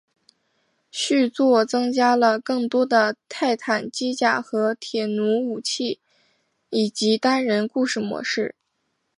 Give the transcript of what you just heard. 续作增加了更多的泰坦机甲和铁驭武器以及单人故事模式。